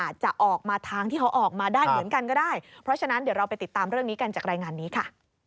อาจจะออกมาทางที่เขาออกมาได้เหมือนกันก็ได้เพราะฉะนั้นเดี๋ยวเราไปติดตามเรื่องนี้กันจากรายงานนี้ค่ะ